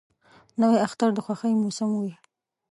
نوی اختر د خوښۍ موسم وي